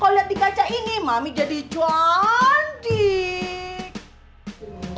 lihat di kaca ini mami jadi cantik